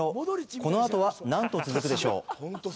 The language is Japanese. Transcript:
このあとは何と続くでしょう？